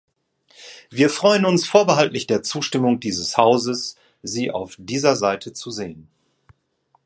Wir freuen uns, vorbehaltlich der Zustimmung dieses Hauses, Sie auf dieser Seite zu sehen.